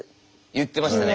言ってましたね